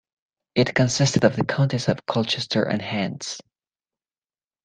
It consisted of the counties of Colchester and Hants.